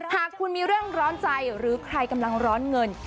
หากคุณมีเรื่องร้อนใจหรือใครกำลังร้อนเงิน